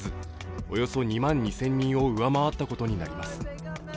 およそ２万２０００人を上回ったことになります。